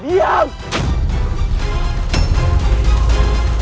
apapun yang ada